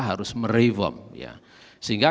harus merevom sehingga